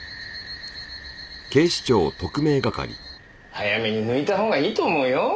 早めに抜いたほうがいいと思うよ。